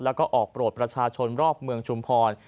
แล้วก็ออกโปรดประชาชนรอบเมืองชุมพร